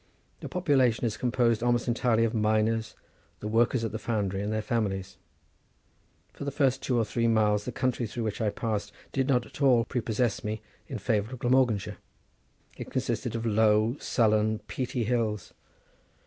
The population is composed almost entirely of miners, the workers at the foundry, and their families. For the first two or three miles the country through which I passed did not at all prepossess me in favour of Glamorganshire: it consisted of low, sullen, peaty hills.